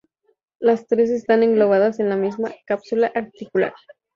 Las tres están englobadas en la misma cápsula articular.